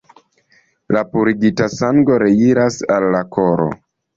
La purigita sango reiras al la koro.